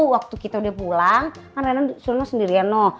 waktu kita udah pulang kan raina suruhnya sendirian lho